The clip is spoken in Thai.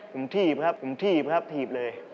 ผมทีบครับทีบเลย